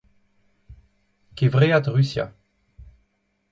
Kevread Rusia.